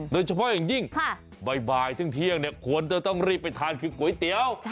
โดยเฉพาะอย่างยิ่งบ่ายถึงเที่ยงควรจะต้องรีบไปทานคือก๋วยเตี๋ยว